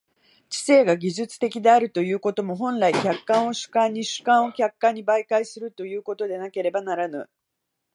知性が技術的であるということも、本来、客観を主観に、主観を客観に媒介するということでなければならぬ。